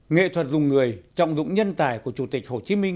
nghệ thuật dùng người trọng dụng nhân tài của chủ tịch hồ chí minh